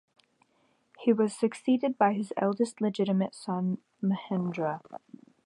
He was succeeded by his eldest legitimate son Mahendra.